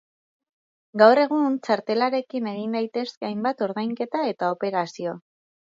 Gaur egun, txartelarekin egin daitezke hainbat ordainketa eta operazio.